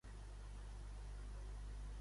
L'oposició pressiona Rajoy per avançar eleccions.